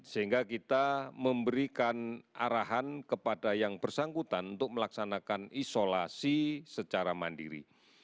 sehingga kita memberikan arahan kepada yang bersangkutan untuk melaksanakan isolasi secara mandiri